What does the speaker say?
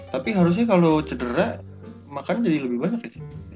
tapi harusnya kalau cedera makan jadi lebih banyak ya